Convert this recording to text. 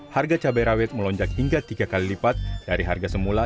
harga cabai rawit melonjak hingga tiga kali lipat dari harga semula